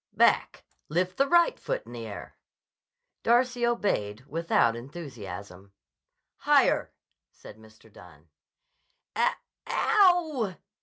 "Back. Lift the right foot in the air." Darcy obeyed without enthusiasm. "Higher!" said Mr. Dunne. "Ow wow!"